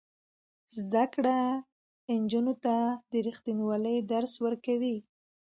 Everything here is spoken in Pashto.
زده کړه نجونو ته د ریښتینولۍ درس ورکوي.